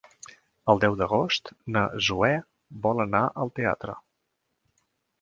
El deu d'agost na Zoè vol anar al teatre.